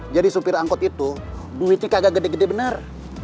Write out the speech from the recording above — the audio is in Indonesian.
jadi supir angkut itu duitnya kagak gede gede bener